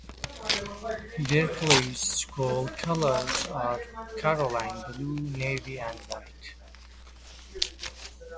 Berkeley's school colors are Carolina blue, navy, and white.